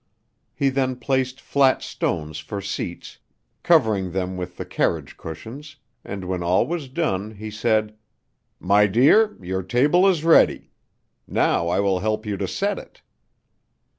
He then placed flat stones for seats, covering them with the carriage cushions, and when all was done he said: "My dear, your table is ready; now I will help you to set it."